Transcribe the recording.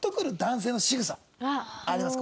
ありますか？